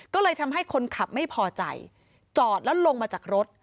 ก็เลยทำให้คนขับไม่พอใจจอดแล้วลงมาจากรถ